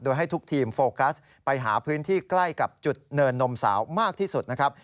โดยให้ทุกทีมโฟกัสไปหาพื้นที่ใกล้กับจุดเนินนมสาวมากที่สุดนะครับ